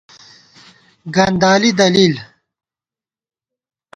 گندالی دلیل